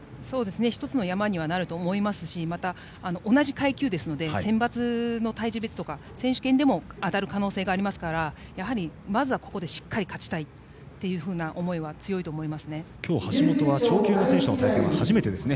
１つの山にはなると思いますしまた、同じ階級ですので選抜の体重別とか選手権でも当たる可能性がありますからまずはここでしっかり勝ちたいという思いは今日、橋本は超級の選手との対戦は初めてですね